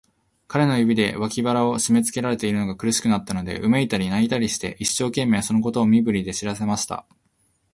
彼の指で、脇腹をしめつけられているのが苦しくなったので、うめいたり、泣いたりして、一生懸命、そのことを身振りで知らせました。